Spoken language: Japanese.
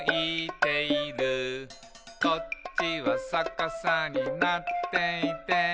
「こっちはさかさになっていて」